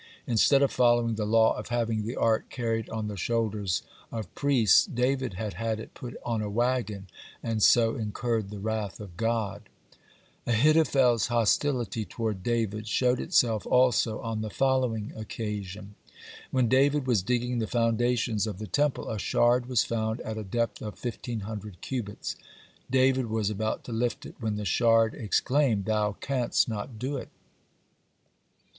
Instead of following the law of having the Ark carried on the shoulders of priests, David had had it put on a wagon, and so incurred the wrath of God. (68) Ahithophel's hostility toward David showed itself also on the following occasion. When David was digging the foundations of the Temple, a shard was found at a depth of fifteen hundred cubits. David was about to lift it, when the shard exclaimed: "Thou canst not do it."